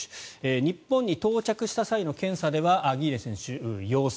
日本に到着した際の検査ではアギーレ選手、陽性。